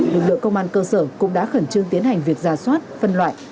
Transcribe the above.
lực lượng công an cơ sở cũng đã khẩn trương tiến hành việc ra soát phân loại